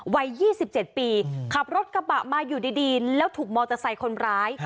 วัย๒๗ปีขับรถกระบะมาอยู่ดีแล้วถูกมอเตอร์ไซค์คนร้าย